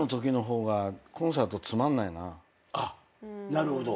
なるほど。